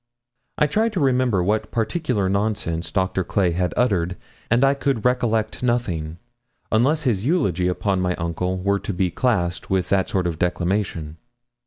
I tried to remember what particular nonsense Doctor Clay had uttered, and I could recollect nothing, unless his eulogy upon my uncle were to be classed with that sort of declamation.